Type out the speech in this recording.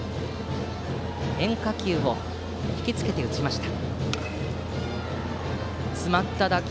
変化球をひきつけて打ちました。